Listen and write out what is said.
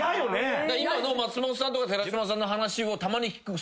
今の松本さんとか寺島さんの話をたまに聞く。